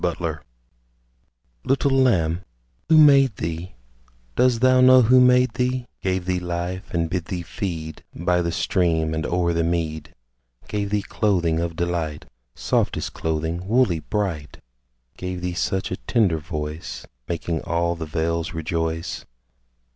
THE LAMB Little Lamb, who made thee Dost thou know who made thee, Gave thee life, and bid thee feed By the stream and o'er the mead; Gave thee clothing of delight, Softest clothing, woolly, bright; Gave thee such a tender voice, Making all the vales rejoice?